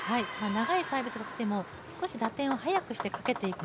長いサービスが来ても少し打点を速くしてかけていく。